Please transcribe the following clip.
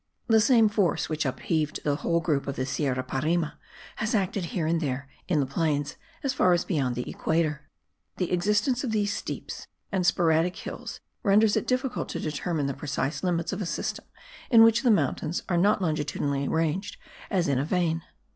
The same force which upheaved the whole group of the Sierra Parime has acted here and there in the plains as far as beyond the equator. The existence of these steeps and sporadic hills renders it difficult to determine the precise limits of a system in which the mountains are not longitudinally ranged as in a vein.